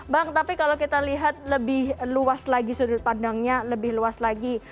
bang tapi kalau kita lihat lebih luas lagi sudut pandangnya lebih luas lagi